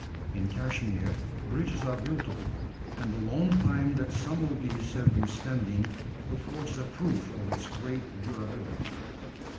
In Cashmere, bridges are built of it: and the long time that some of these have been standing, affords a proof of its great durability.